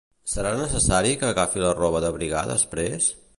Serà necessari que agafi la roba d'abrigar després?